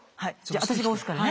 私が押すからね。